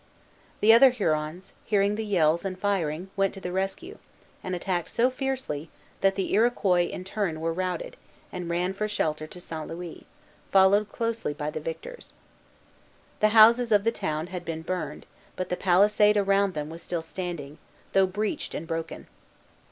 The other Hurons, hearing the yells and firing, ran to the rescue, and attacked so fiercely, that the Iroquois in turn were routed, and ran for shelter to St. Louis, followed closely by the victors. The houses of the town had been burned, but the palisade around them was still standing, though breached and broken.